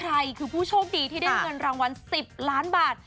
ใครคือผู้โชคดีที่ได้เงินรางวัล๑๐ล้านบาท